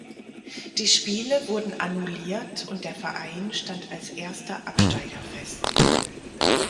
Die Spiele wurden annulliert und der Verein stand als erster Absteiger fest.